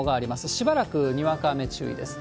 しばらくにわか雨注意です。